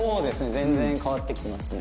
全然変わってきてますね。